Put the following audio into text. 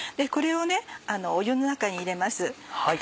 これを湯の中に入れます。